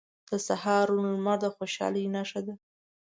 • د سهار روڼ لمر د خوشحالۍ نښه ده.